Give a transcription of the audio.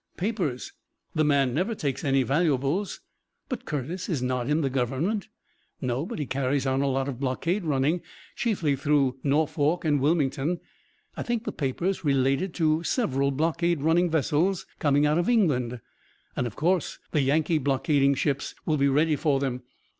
"Papers. The man never takes any valuables." "But Curtis is not in the government!" "No, but he carries on a lot of blockade running, chiefly through Norfolk and Wilmington. I think the papers related to several blockade running vessels coming out from England, and of course the Yankee blockading ships will be ready for them.